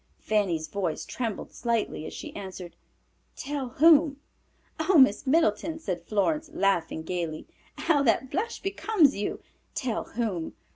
Fanny's voice trembled slightly as she answered, "Tell whom?" "Oh, Miss Middleton," said Florence, laughing gayly, "how that blush becomes you! Tell whom?